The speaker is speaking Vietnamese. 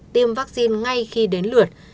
tiêm vaccine ngay khi đến lượt